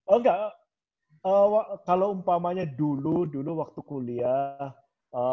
oh enggak kalau umpamanya dulu dulu waktu kuliah ya